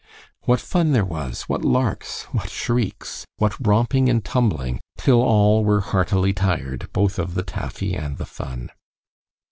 What fun there was, what larks, what shrieks, what romping and tumbling, till all were heartily tired, both of the taffy and the fun.